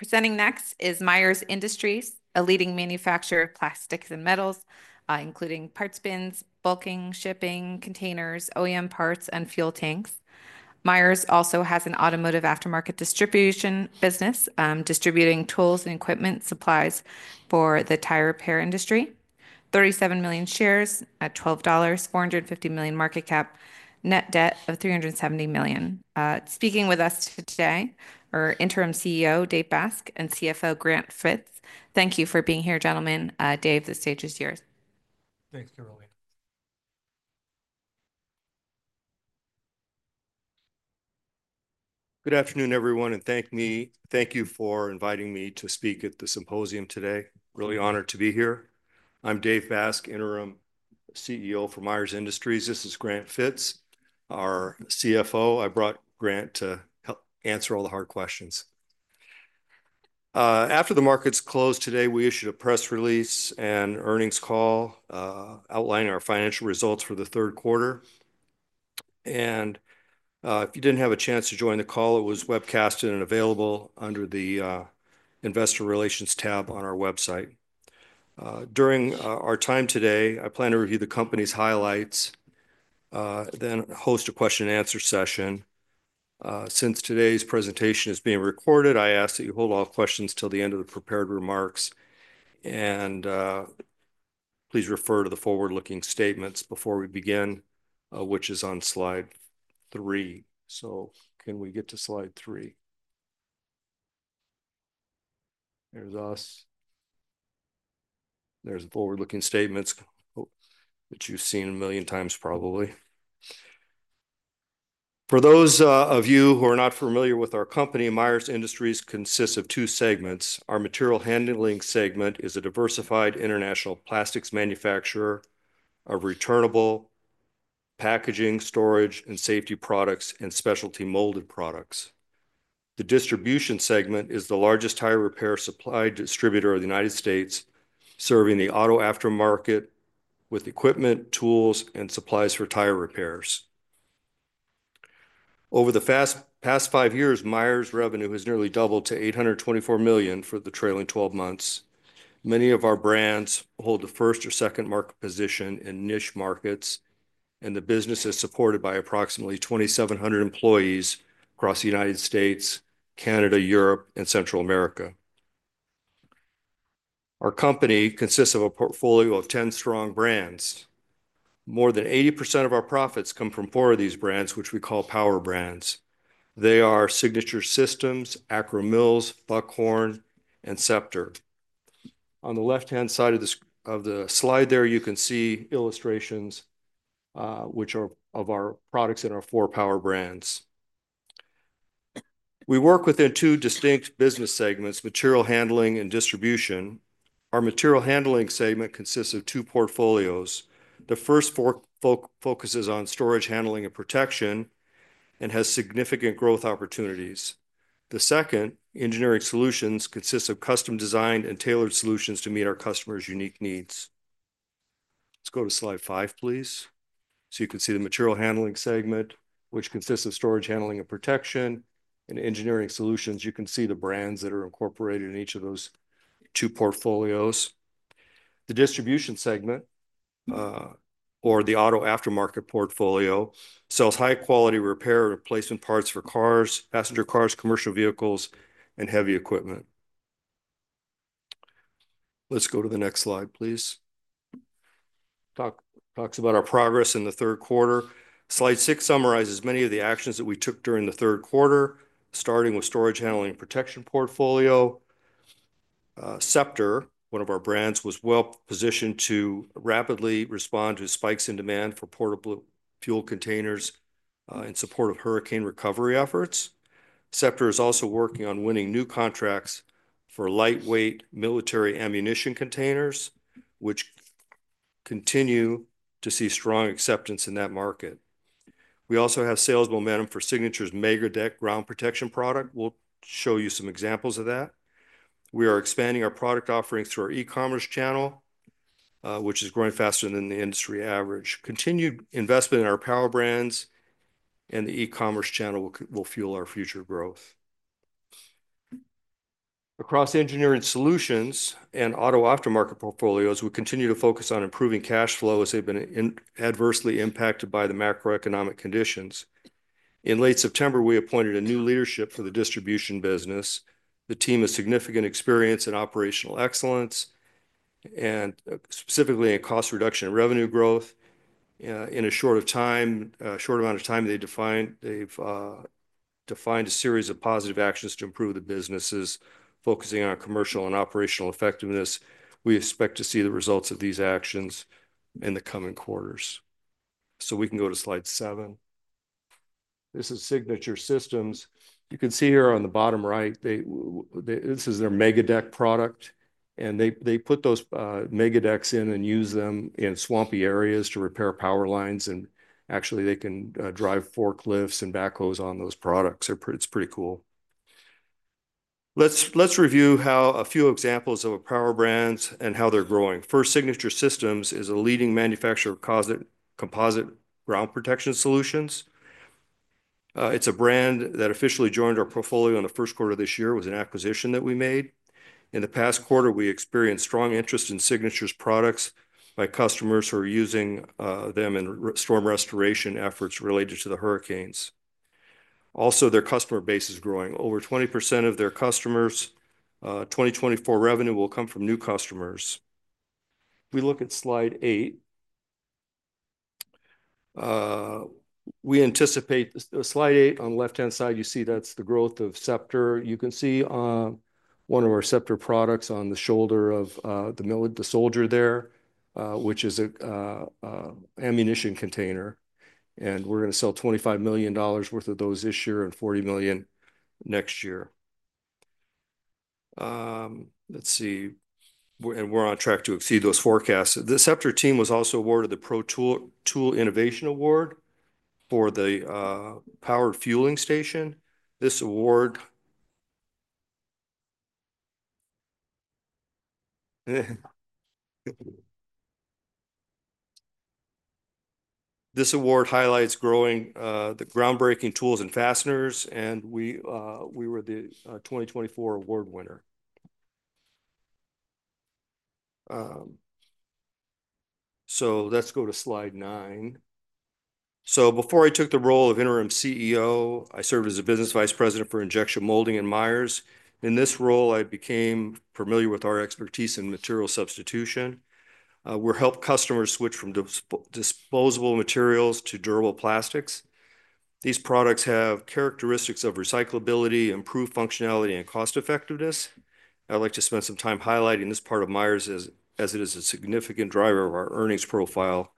Presenting next is Myers Industries, a leading manufacturer of plastics and metals, including parts bins, bulk, shipping, containers, OEM parts, and fuel tanks. Myers also has an automotive aftermarket distribution business, distributing tools and equipment supplies for the tire repair industry: 37 million shares at $12,450 million market cap, net debt of $370 million. Speaking with us today are Interim CEO Dave Baska and CFO Grant Fitz. Thank you for being here, gentlemen. Dave, the stage is yours. Thanks, Caroline. Good afternoon, everyone, and thank you for inviting me to speak at the symposium today. Really honored to be here. I'm Dave Baska, Interim CEO for Myers Industries. This is Grant Fitz, our CFO. I brought Grant to help answer all the hard questions. After the markets closed today, we issued a press release and earnings call outlining our financial results for the third quarter. If you didn't have a chance to join the call, it was webcasted and available under the Investor Relations tab on our website. During our time today, I plan to review the company's highlights, then host a question-and-answer session. Since today's presentation is being recorded, I ask that you hold all questions till the end of the prepared remarks. Please refer to the forward-looking statements before we begin, which is on slide three. Can we get to slide three? There's us. There's the forward-looking statements that you've seen a million times, probably. For those of you who are not familiar with our company, Myers Industries consists of two segments. Our material handling segment is a diversified international plastics manufacturer of returnable packaging, storage, and safety products, and specialty molded products. The distribution segment is the largest tire repair supply distributor of the United States, serving the auto aftermarket with equipment, tools, and supplies for tire repairs. Over the past five years, Myers' revenue has nearly doubled to $824 million for the trailing 12 months. Many of our brands hold the first or second market position in niche markets, and the business is supported by approximately 2,700 employees across the United States, Canada, Europe, and Central America. Our company consists of a portfolio of 10 strong brands. More than 80% of our profits come from four of these brands, which we call power brands. They are Signature Systems, Akro-Mils, Buckhorn, and Scepter. On the left-hand side of the slide there, you can see illustrations which are of our products and our four power brands. We work within two distinct business segments: material handling and distribution. Our material handling segment consists of two portfolios. The first focuses on storage, handling, and protection and has significant growth opportunities. The second, engineering solutions, consists of custom-designed and tailored solutions to meet our customers' unique needs. Let's go to slide five, please. So you can see the material handling segment, which consists of storage, handling, and protection, and engineering solutions. You can see the brands that are incorporated in each of those two portfolios. The distribution segment, or the auto aftermarket portfolio, sells high-quality repair and replacement parts for cars, passenger cars, commercial vehicles, and heavy equipment. Let's go to the next slide, please. Talks about our progress in the third quarter. Slide six summarizes many of the actions that we took during the third quarter, starting with storage, handling, and protection portfolio. Scepter, one of our brands, was well-positioned to rapidly respond to spikes in demand for portable fuel containers in support of hurricane recovery efforts. Scepter is also working on winning new contracts for lightweight military ammunition containers, which continue to see strong acceptance in that market. We also have sales momentum for Signature's MegaDeck ground protection product. We'll show you some examples of that. We are expanding our product offerings through our e-commerce channel, which is growing faster than the industry average. Continued investment in our power brands and the e-commerce channel will fuel our future growth. Across engineering solutions and auto aftermarket portfolios, we continue to focus on improving cash flow as they've been adversely impacted by the macroeconomic conditions. In late September, we appointed a new leadership for the distribution business. The team has significant experience in operational excellence and specifically in cost reduction and revenue growth. In a short amount of time, they've defined a series of positive actions to improve the businesses, focusing on commercial and operational effectiveness. We expect to see the results of these actions in the coming quarters. So we can go to slide seven. This is Signature Systems. You can see here on the bottom right, this is their MegaDeck product. And they put those MegaDecks in and use them in swampy areas to repair power lines. Actually, they can drive forklifts and backhoes on those products. It's pretty cool. Let's review a few examples of our Power Brands and how they're growing. First, Signature Systems is a leading manufacturer of composite ground protection solutions. It's a brand that officially joined our portfolio in the first quarter of this year with an acquisition that we made. In the past quarter, we experienced strong interest in Signature's products by customers who are using them in storm restoration efforts related to the hurricanes. Also, their customer base is growing. Over 20% of their customers' 2024 revenue will come from new customers. If we look at slide eight, we anticipate slide eight on the left-hand side, you see that's the growth of Scepter. You can see one of our Scepter products on the shoulder of the soldier there, which is an ammunition container. We're going to sell $25 million worth of those this year and $40 million next year. Let's see. We're on track to exceed those forecasts. The Scepter team was also awarded the Pro Tool Innovation Award for the powered fueling station. This award highlights growing the groundbreaking tools and fasteners, and we were the 2024 award winner. Let's go to slide nine. Before I took the role of Interim CEO, I served as a business vice president for Injection Molding and Myers. In this role, I became familiar with our expertise in material substitution. We help customers switch from disposable materials to durable plastics. These products have characteristics of recyclability, improved functionality, and cost-effectiveness. I'd like to spend some time highlighting this part of Myers as it is a significant driver of our earnings profile.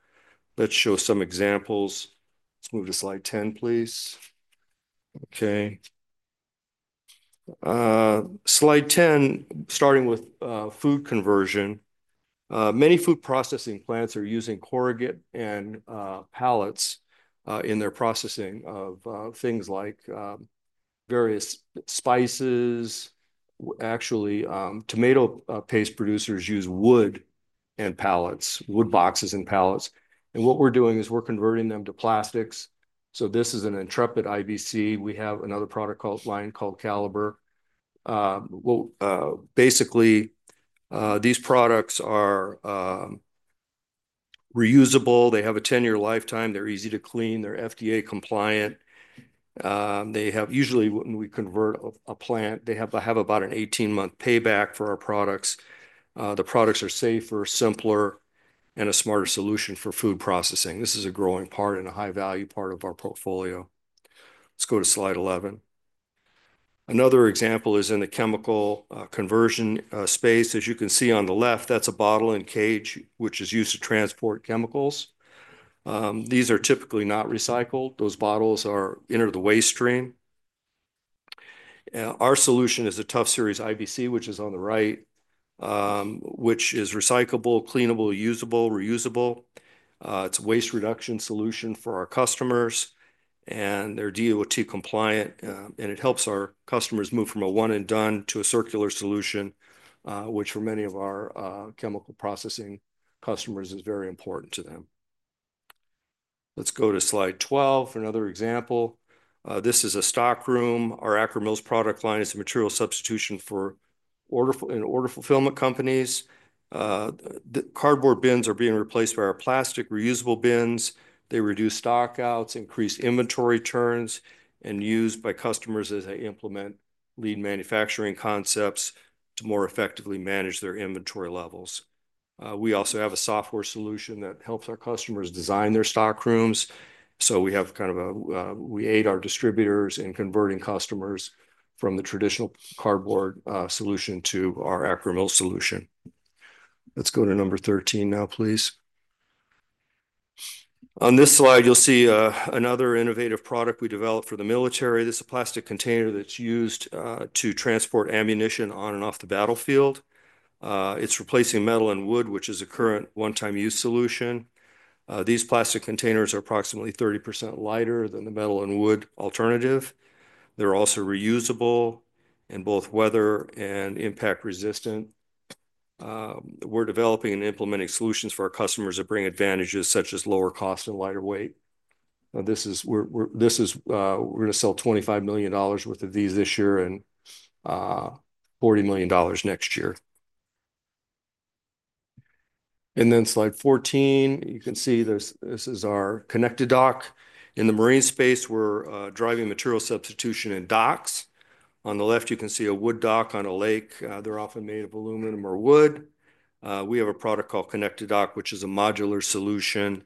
Let's show some examples. Let's move to slide 10, please. Okay. Slide 10, starting with food conversion. Many food processing plants are using corrugated and pallets in their processing of things like various spices. Actually, tomato paste producers use wood and pallets, wood boxes and pallets, and what we're doing is we're converting them to plastics, so this is an Intrepid IBC. We have another product line called Caliber. Basically, these products are reusable. They have a 10-year lifetime. They're easy to clean. They're FDA compliant. Usually, when we convert a plant, they have about an 18-month payback for our products. The products are safer, simpler, and a smarter solution for food processing. This is a growing part and a high-value part of our portfolio. Let's go to slide 11. Another example is in the chemical conversion space. As you can see on the left, that's a bottle and cage, which is used to transport chemicals. These are typically not recycled. Those bottles are entered the waste stream. Our solution is a Tuff Stack IBC, which is on the right, which is recyclable, cleanable, usable, reusable. It's a waste reduction solution for our customers, and they're DOT compliant. It helps our customers move from a one-and-done to a circular solution, which for many of our chemical processing customers is very important to them. Let's go to slide 12 for another example. This is a stockroom. Our Akro-Mils product line is a material substitution for order fulfillment companies. The cardboard bins are being replaced by our plastic reusable bins. They reduce stockouts, increase inventory turns, and are used by customers as they implement lean manufacturing concepts to more effectively manage their inventory levels. We also have a software solution that helps our customers design their stockrooms. So we have kind of a we aid our distributors in converting customers from the traditional cardboard solution to our Akro-Mils solution. Let's go to number 13 now, please. On this slide, you'll see another innovative product we developed for the military. This is a plastic container that's used to transport ammunition on and off the battlefield. It's replacing metal and wood, which is a current one-time use solution. These plastic containers are approximately 30% lighter than the metal and wood alternative. They're also reusable and both weather and impact-resistant. We're developing and implementing solutions for our customers that bring advantages such as lower cost and lighter weight. This is we're going to sell $25 million worth of these this year and $40 million next year. And then slide 14, you can see this is our Connect-A-Dock. In the marine space, we're driving material substitution in docks. On the left, you can see a wood dock on a lake. They're often made of aluminum or wood. We have a product called Connect-A-Dock, which is a modular solution.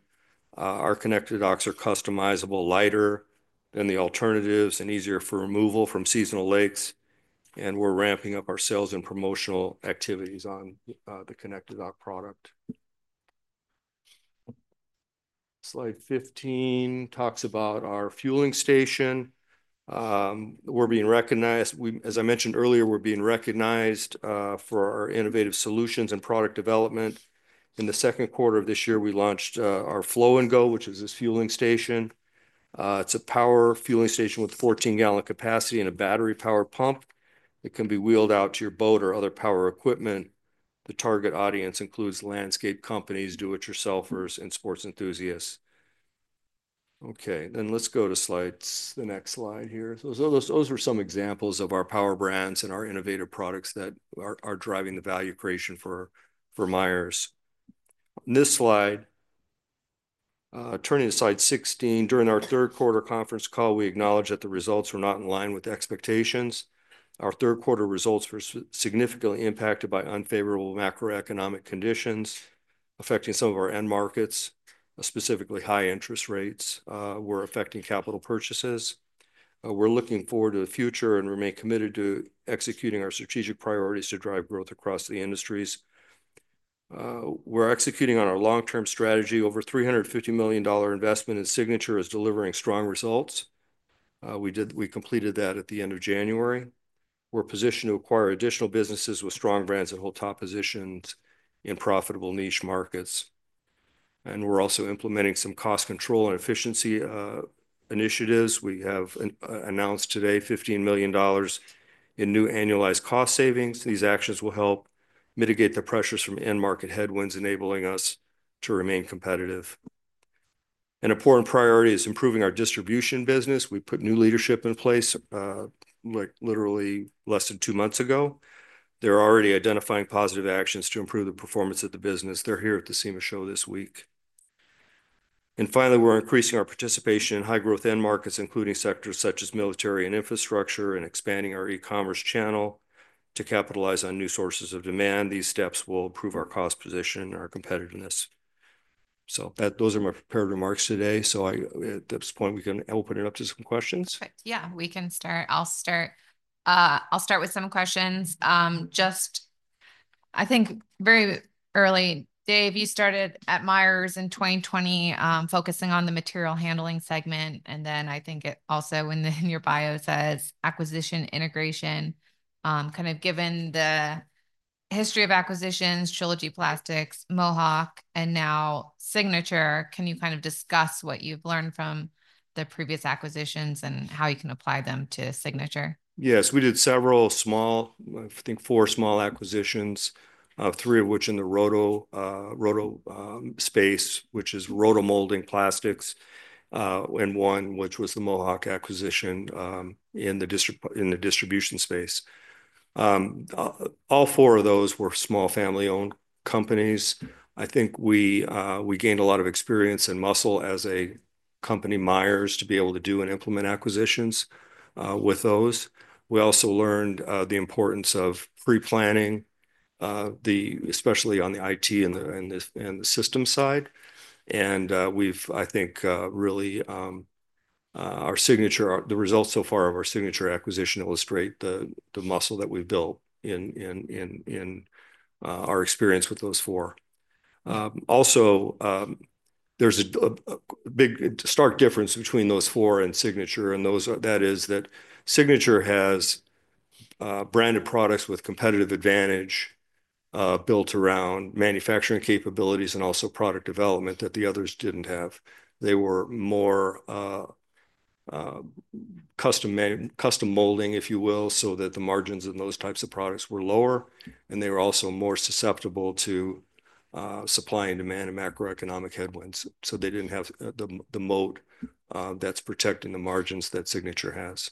Our connected docks are customizable, lighter than the alternatives, and easier for removal from seasonal lakes. And we're ramping up our sales and promotional activities on the connected dock product. Slide 15 talks about our fueling station. We're being recognized. As I mentioned earlier, we're being recognized for our innovative solutions and product development. In the second quarter of this year, we launched our Flo n' Go, which is this fueling station. It's a power fueling station with a 14-gallon capacity and a battery-powered pump. It can be wheeled out to your boat or other power equipment. The target audience includes landscape companies, do-it-yourselfers, and sports enthusiasts. Okay. Then let's go to slides, the next slide here. So those are some examples of our power brands and our innovative products that are driving the value creation for Myers. On this slide, turning to slide 16, during our third quarter conference call, we acknowledged that the results were not in line with expectations. Our third quarter results were significantly impacted by unfavorable macroeconomic conditions affecting some of our end markets, specifically, high interest rates were affecting capital purchases. We're looking forward to the future and remain committed to executing our strategic priorities to drive growth across the industries. We're executing on our long-term strategy. Over $350 million investment in Signature is delivering strong results. We completed that at the end of January. We're positioned to acquire additional businesses with strong brands and hold top positions in profitable niche markets. And we're also implementing some cost control and efficiency initiatives. We have announced today $15 million in new annualized cost savings. These actions will help mitigate the pressures from end market headwinds, enabling us to remain competitive. An important priority is improving our distribution business. We put new leadership in place literally less than two months ago. They're already identifying positive actions to improve the performance of the business. They're here at the SEMA show this week. And finally, we're increasing our participation in high-growth end markets, including sectors such as military and infrastructure, and expanding our e-commerce channel to capitalize on new sources of demand. These steps will improve our cost position and our competitiveness. So those are my prepared remarks today. So at this point, we can open it up to some questions. Perfect. Yeah, we can start. I'll start with some questions. Just, I think very early, Dave, you started at Myers in 2020 focusing on the material handling segment. And then I think it also in your bio says acquisition integration. Kind of given the history of acquisitions, Trilogy Plastics, Mohawk, and now Signature, can you kind of discuss what you've learned from the previous acquisitions and how you can apply them to Signature? Yes. We did several small, I think four small acquisitions, three of which in the roto space, which is roto-molding plastics, and one which was the Mohawk acquisition in the distribution space. All four of those were small family-owned companies. I think we gained a lot of experience and muscle as a company, Myers, to be able to do and implement acquisitions with those. We also learned the importance of pre-planning, especially on the IT and the system side. And we've, I think, really our Signature, the results so far of our Signature acquisition illustrate the muscle that we've built in our experience with those four. Also, there's a big stark difference between those four and Signature. And that is that Signature has branded products with competitive advantage built around manufacturing capabilities and also product development that the others didn't have. They were more custom molding, if you will, so that the margins in those types of products were lower. And they were also more susceptible to supply and demand and macroeconomic headwinds. So they didn't have the moat that's protecting the margins that Signature has.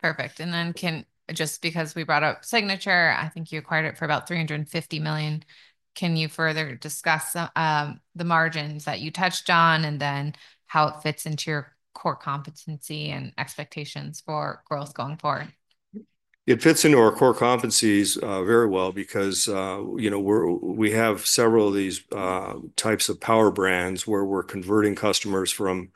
Perfect. And then just because we brought up Signature, I think you acquired it for about $350 million. Can you further discuss the margins that you touched on and then how it fits into your core competency and expectations for growth going forward? It fits into our core competencies very well because we have several of these types of Power Brands where we're converting customers from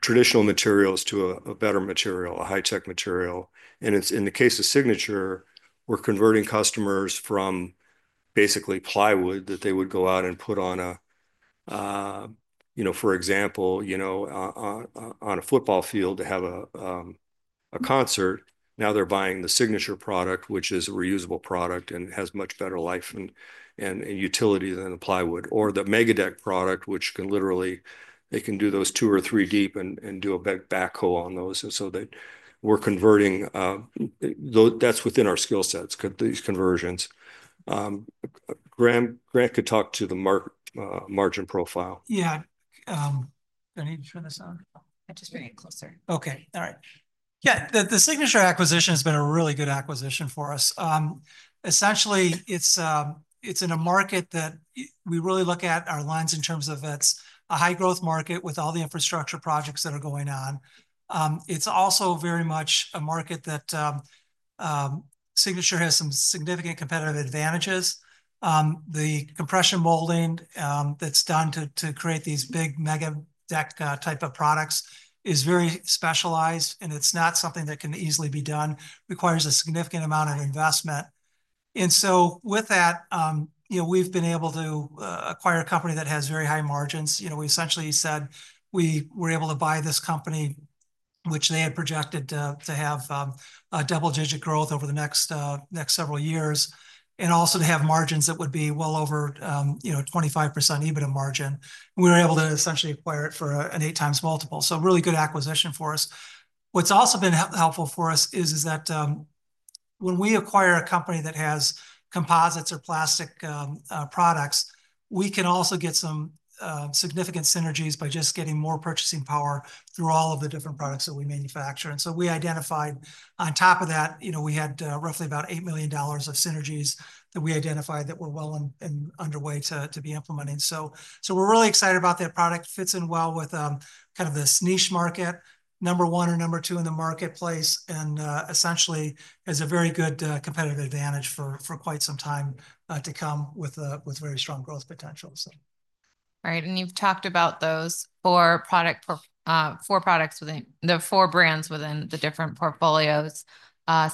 traditional materials to a better material, a high-tech material. And in the case of Signature, we're converting customers from basically plywood that they would go out and put on a, for example, on a football field to have a concert. Now they're buying the Signature product, which is a reusable product and has much better life and utility than the plywood, or the MegaDeck product, which can literally, they can do those two or three deep and do a big backhoe on those. And so we're converting. That's within our skill sets, these conversions. Grant could talk to the margin profile. Yeah. Can you turn this on? I'm just bringing it closer. Okay. All right. Yeah. The Signature acquisition has been a really good acquisition for us. Essentially, it's in a market that we really look at our lines in terms of it's a high-growth market with all the infrastructure projects that are going on. It's also very much a market that Signature has some significant competitive advantages. The compression molding that's done to create these big MegaDeck type of products is very specialized, and it's not something that can easily be done. It requires a significant amount of investment. And so with that, we've been able to acquire a company that has very high margins. We essentially said we were able to buy this company, which they had projected to have double-digit growth over the next several years, and also to have margins that would be well over 25% EBITDA margin. We were able to essentially acquire it for an eight-times multiple. So really good acquisition for us. What's also been helpful for us is that when we acquire a company that has composites or plastic products, we can also get some significant synergies by just getting more purchasing power through all of the different products that we manufacture. And so we identified on top of that, we had roughly about $8 million of synergies that we identified that were well underway to be implementing. So we're really excited about that product. Fits in well with kind of this niche market, number one or number two in the marketplace, and essentially has a very good competitive advantage for quite some time to come with very strong growth potential. All right. And you've talked about those four products within the four brands within the different portfolios,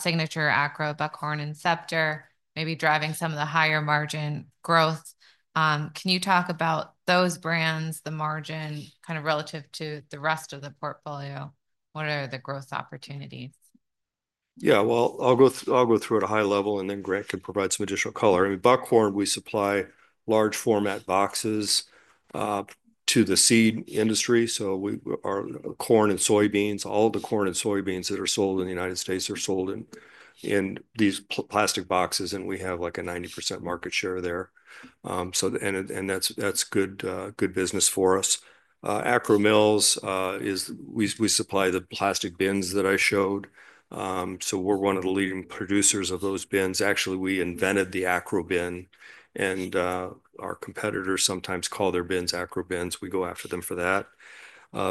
Signature, Akro-Mils, Buckhorn, and Scepter, maybe driving some of the higher margin growth. Can you talk about those brands, the margin kind of relative to the rest of the portfolio? What are the growth opportunities? Yeah. Well, I'll go through at a high level, and then Grant can provide some additional color. I mean, Buckhorn, we supply large format boxes to the seed industry, so our corn and soybeans, all the corn and soybeans that are sold in the United States are sold in these plastic boxes, and we have like a 90% market share there, and that's good business for us. Akro-Mils, we supply the plastic bins that I showed, so we're one of the leading producers of those bins. Actually, we invented the Akro bin, and our competitors sometimes call their bins Akro bins. We go after them for that.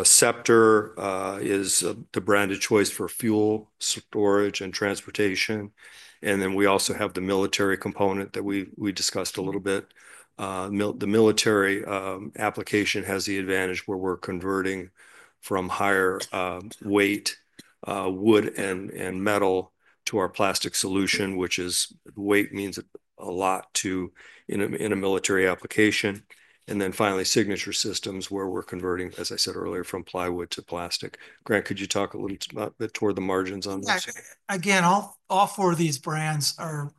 Scepter is the branded choice for fuel storage and transportation. And then we also have the military component that we discussed a little bit. The military application has the advantage where we're converting from higher weight wood and metal to our plastic solution, which is weight means a lot in a military application. And then finally, Signature Systems, where we're converting, as I said earlier, from plywood to plastic. Grant, could you talk a little bit toward the margins on this? Again, all four of these brands have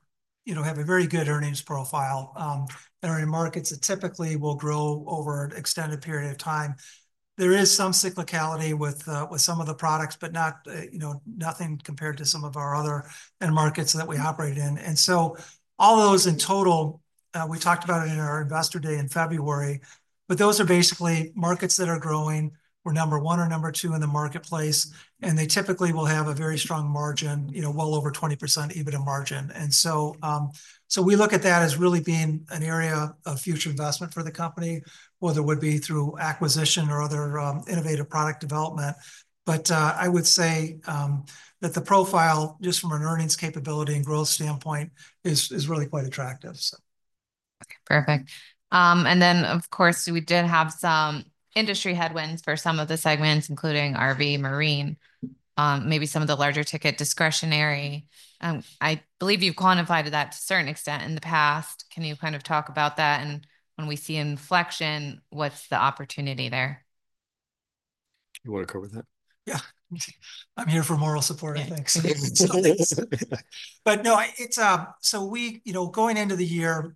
a very good earnings profile that are in markets that typically will grow over an extended period of time. There is some cyclicality with some of the products, but nothing compared to some of our other end markets that we operate in. And so all those in total, we talked about it in our investor day in February, but those are basically markets that are growing. We're number one or number two in the marketplace, and they typically will have a very strong margin, well over 20% EBITDA margin. And so we look at that as really being an area of future investment for the company, whether it would be through acquisition or other innovative product development. But I would say that the profile, just from an earnings capability and growth standpoint, is really quite attractive. Perfect. And then, of course, we did have some industry headwinds for some of the segments, including RV, marine, maybe some of the larger ticket discretionary. I believe you've quantified that to a certain extent in the past. Can you kind of talk about that? And when we see inflection, what's the opportunity there? You want to cover that? Yeah. I'm here for moral support. Thanks. But no, so going into the year,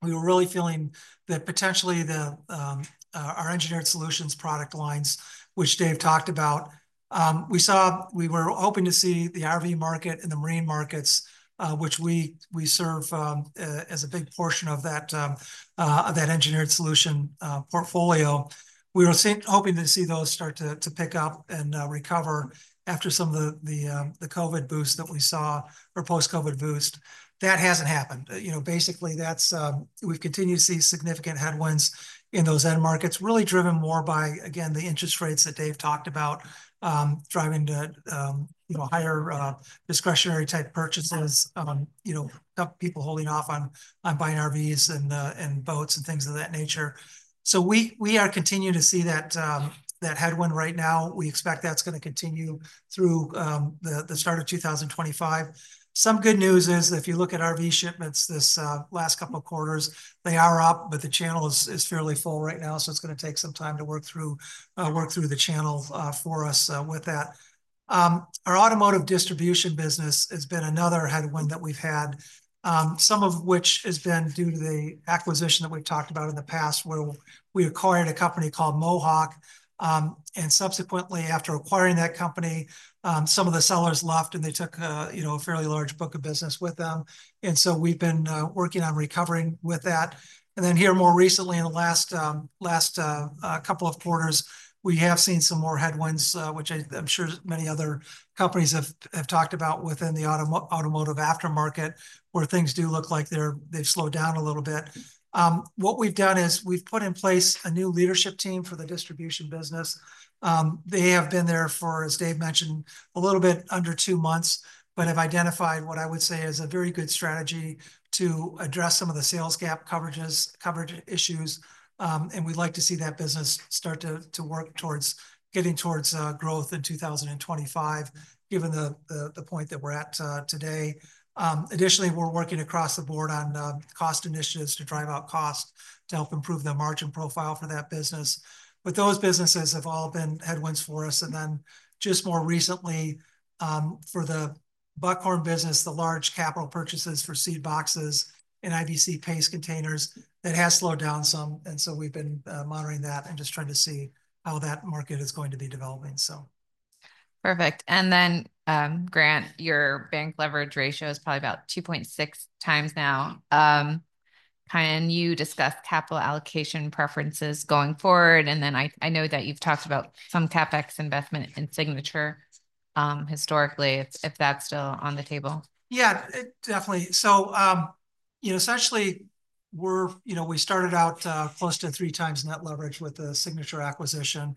we were really feeling that potentially our engineered solutions product lines, which Dave talked about, we were hoping to see the RV market and the marine markets, which we serve as a big portion of that engineered solution portfolio. We were hoping to see those start to pick up and recover after some of the COVID boost that we saw or post-COVID boost. That hasn't happened. Basically, we've continued to see significant headwinds in those end markets, really driven more by, again, the interest rates that Dave talked about, driving to higher discretionary type purchases, help people holding off on buying RVs and boats and things of that nature. So we are continuing to see that headwind right now. We expect that's going to continue through the start of 2025. Some good news is if you look at RV shipments this last couple of quarters, they are up, but the channel is fairly full right now, so it's going to take some time to work through the channel for us with that. Our automotive distribution business has been another headwind that we've had, some of which has been due to the acquisition that we've talked about in the past, where we acquired a company called Mohawk, and subsequently, after acquiring that company, some of the sellers left and they took a fairly large book of business with them, and so we've been working on recovering with that, and then here, more recently, in the last couple of quarters, we have seen some more headwinds, which I'm sure many other companies have talked about within the automotive aftermarket, where things do look like they've slowed down a little bit. What we've done is we've put in place a new leadership team for the distribution business. They have been there for, as Dave mentioned, a little bit under two months, but have identified what I would say is a very good strategy to address some of the sales gap coverage issues. And we'd like to see that business start to work towards getting towards growth in 2025, given the point that we're at today. Additionally, we're working across the board on cost initiatives to drive out cost to help improve the margin profile for that business. But those businesses have all been headwinds for us. And then just more recently, for the Buckhorn business, the large capital purchases for seed boxes and IBC paste containers, that has slowed down some. And so we've been monitoring that and just trying to see how that market is going to be developing. Perfect. Then, Grant, your net leverage ratio is probably about 2.6 times now. Can you discuss capital allocation preferences going forward? And then I know that you've talked about some CapEx investment in Signature historically, if that's still on the table. Yeah, definitely. So essentially, we started out close to three times net leverage with the Signature acquisition.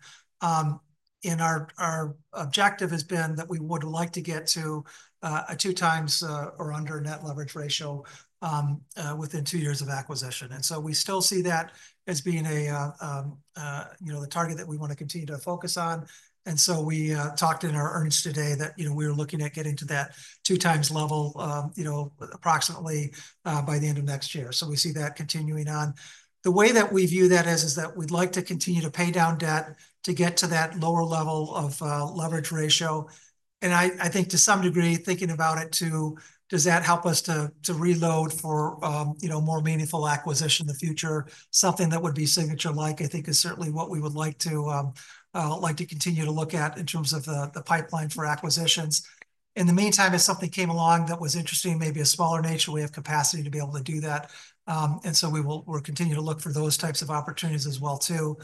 And our objective has been that we would like to get to a two times or under net leverage ratio within two years of acquisition. And so we still see that as being the target that we want to continue to focus on. And so we talked in our earnings today that we were looking at getting to that two times level approximately by the end of next year. So we see that continuing on. The way that we view that is that we'd like to continue to pay down debt to get to that lower level of leverage ratio. And I think to some degree, thinking about it too, does that help us to reload for more meaningful acquisition in the future? Something that would be Signature-like, I think, is certainly what we would like to continue to look at in terms of the pipeline for acquisitions. In the meantime, if something came along that was interesting, maybe a smaller nature, we have capacity to be able to do that. And so we'll continue to look for those types of opportunities as well too.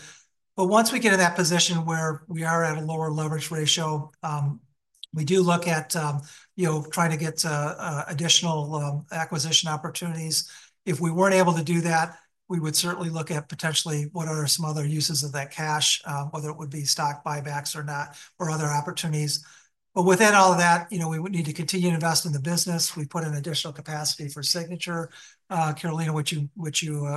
But once we get in that position where we are at a lower leverage ratio, we do look at trying to get additional acquisition opportunities. If we weren't able to do that, we would certainly look at potentially what are some other uses of that cash, whether it would be stock buybacks or not, or other opportunities. But within all of that, we would need to continue to invest in the business. We put in additional capacity for Signature, Caroline, which you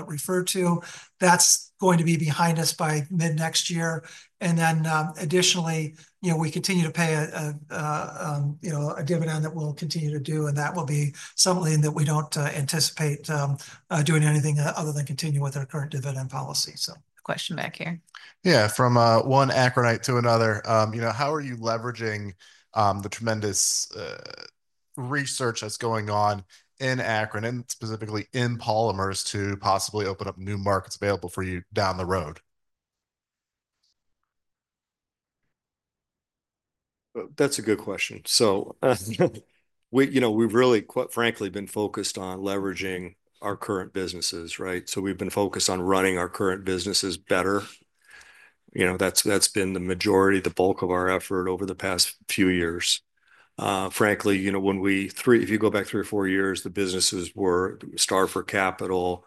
referred to. That's going to be behind us by mid-next year. And then additionally, we continue to pay a dividend that we'll continue to do, and that will be something that we don't anticipate doing anything other than continue with our current dividend policy. Question back here. Yeah. From one Akronite to another, how are you leveraging the tremendous research that's going on in Akron, and specifically in polymers, to possibly open up new markets available for you down the road? That's a good question. So we've really, quite frankly, been focused on leveraging our current businesses, right? So we've been focused on running our current businesses better. That's been the majority, the bulk of our effort over the past few years. Frankly, if you go back three or four years, the businesses were starved for capital.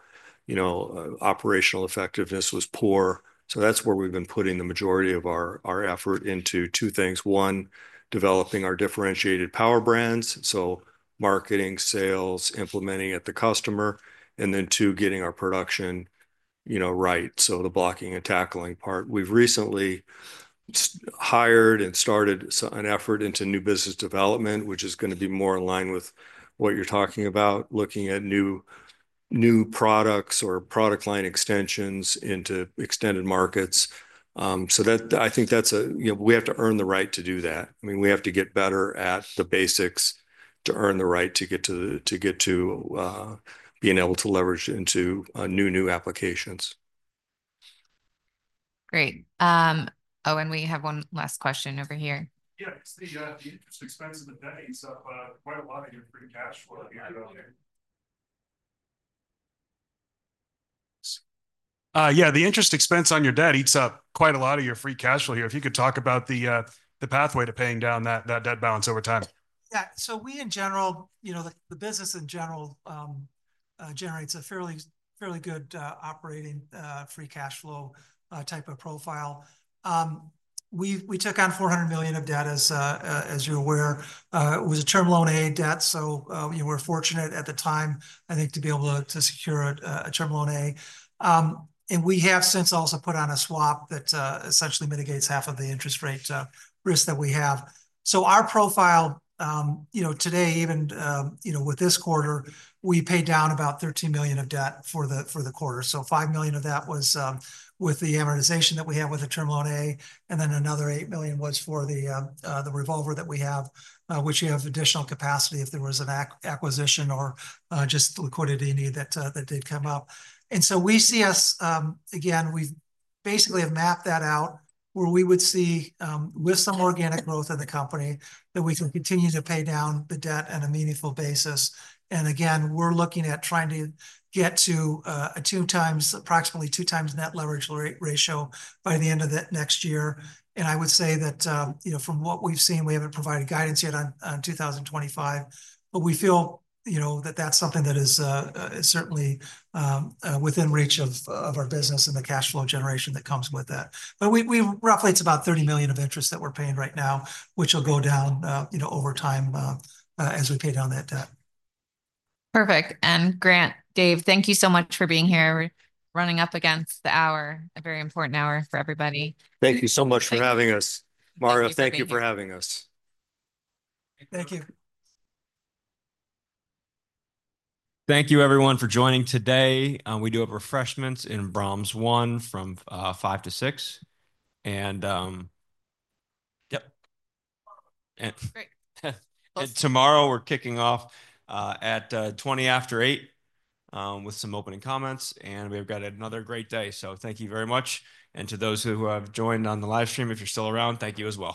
Operational effectiveness was poor. So that's where we've been putting the majority of our effort into two things. One, developing our differentiated power brands. So marketing, sales, implementing at the customer. And then two, getting our production right. So the blocking and tackling part. We've recently hired and started an effort into new business development, which is going to be more in line with what you're talking about, looking at new products or product line extensions into extended markets. So I think we have to earn the right to do that. I mean, we have to get better at the basics to earn the right to get to being able to leverage into new applications. Great. Oh, and we have one last question over here. Yeah. The interest expense on the debt eats up quite a lot of your free cashflow here. Yeah. The interest expense on your debt eats up quite a lot of your free cashflow here. If you could talk about the pathway to paying down that debt balance over time. Yeah. So we, in general, the business generates a fairly good operating free cashflow type of profile. We took on $400 million of debt, as you're aware. It was a Term Loan A debt. So we were fortunate at the time, I think, to be able to secure a Term Loan A. We have since also put on a swap that essentially mitigates half of the interest rate risk that we have. Our profile today, even with this quarter, we paid down about $13 million of debt for the quarter. $5 million of that was with the amortization that we have with the Term Loan A. Then another $8 million was for the revolver that we have, which you have additional capacity if there was an acquisition or just liquidity need that did come up. We see us, again, we basically have mapped that out where we would see with some organic growth in the company that we can continue to pay down the debt on a meaningful basis. We're looking at trying to get to approximately two times Net Leverage Ratio by the end of next year. I would say that from what we've seen, we haven't provided guidance yet on 2025, but we feel that that's something that is certainly within reach of our business and the cash flow generation that comes with that. But roughly, it's about $30 million of interest that we're paying right now, which will go down over time as we pay down that debt. Perfect. Grant, Dave, thank you so much for being here. We're running up against the hour, a very important hour for everybody. Thank you so much for having us. Mario, thank you for having us. Thank you. Thank you, everyone, for joining today. We do have refreshments in Brahms I from 5:00 P.M. to 6:00 P.M. Yep. Great. Tomorrow, we're kicking off at 8:20 A.M. with some opening comments. We've got another great day, so thank you very much. To those who have joined on the livestream, if you're still around, thank you as well.